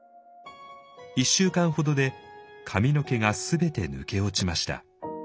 １週間ほどで髪の毛が全て抜け落ちました。